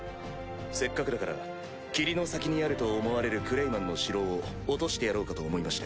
せっかくだから霧の先にあると思われるクレイマンの城を落としてやろうかと思いまして。